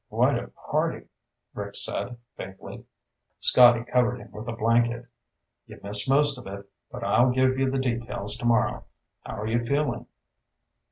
"Quite a party," Rick said faintly. Scotty covered him with a blanket. "You missed most of it, but I'll give you the details tomorrow. How are you feeling?"